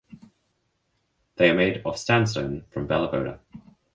They are made of sandstone from Bela Voda.